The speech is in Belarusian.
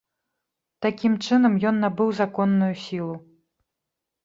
Такім чынам ён набыў законную сілу.